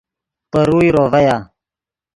پے روئے روڤا